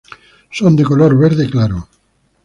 Son de color verde claro.